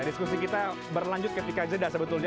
diskusi kita berlanjut ke pkjd sebetulnya